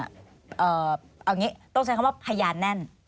เอาอย่างนี้ต้องใช้คำว่าพยานแน่น